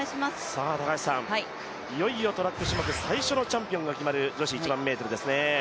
いよいよトラック種目最初のチャンピオンが決まる女子１００００ｍですね。